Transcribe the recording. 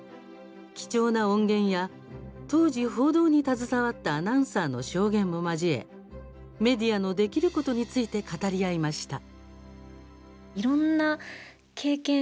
貴重な音源や当時、報道に携わったアナウンサーの証言も交えメディアのできることについて語り合いました。